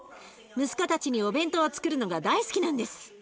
息子たちにお弁当をつくるのが大好きなんです。